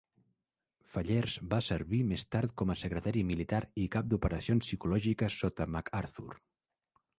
Fellers va servir més tard com a secretari militar i cap d'operacions psicològiques sota MacArthur.